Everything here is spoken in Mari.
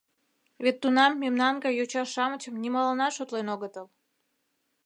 Вет тунам мемнан гай «йоча-шамычым» нимоланат шотлен огытыл.